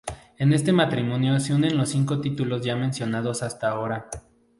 En este matrimonio se unen los cinco títulos ya mencionados hasta ahora.